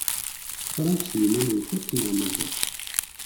Teframt-tt d yiman-nkent neɣ mazal?